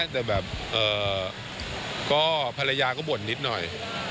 แต่แบบก็ภรรยาก็บ่นนิดหน่อย